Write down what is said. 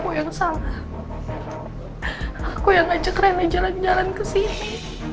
bukan alang salah tapi aku yang salah aku yang ajak rina jalan jalan ke sini